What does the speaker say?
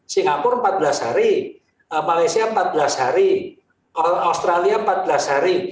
singapura empat belas hari malaysia empat belas hari australia empat belas hari